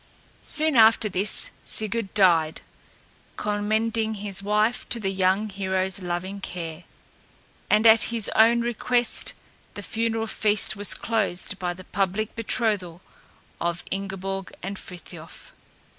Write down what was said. Soon after this Sigurd died, commending his wife to the young hero's loving care. And at his own request the funeral feast was closed by the public betrothal of Ingeborg and Frithiof.